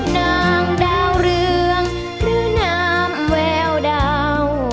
นางดาวเรืองหรือนามแววดาว